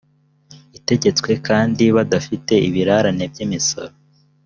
itegetswe kandi badafite ibirarane by imisoro